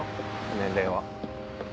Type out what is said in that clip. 年齢は。